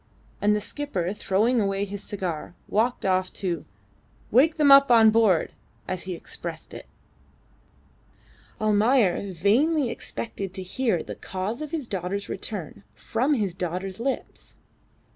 And the skipper, throwing away his cigar, walked off to "wake them up on board," as he expressed it. Almayer vainly expected to hear of the cause of his daughter's return from his daughter's lips.